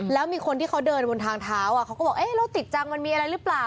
แล้วมีคนที่เขาเดินบนทางเท้าเขาก็บอกเอ๊ะแล้วติดจังมันมีอะไรหรือเปล่า